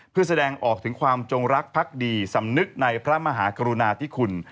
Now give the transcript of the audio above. เพื่อแสดงออกถึงความจงรักพักดีสำนึกในพระมหากรุณาธิคุณ